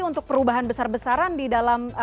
untuk perubahan besar besaran di dalam